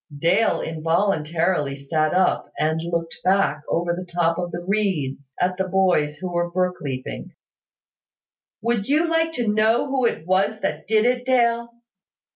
Dale involuntarily sat up, and looked back, over the top of the reeds, at the boys who were brook leaping. "Would you like to know who it was that did it, Dale?"